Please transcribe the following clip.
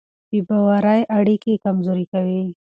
بې باورۍ اړیکې کمزورې کوي.